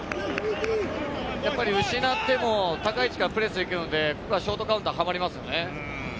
失っても高い位置からプレスに行くのでショートカウンターがはまりますよね。